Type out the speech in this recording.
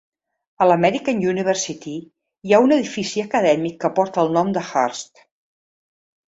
A la American University hi ha un edifici acadèmic que porta el nom de Hurst.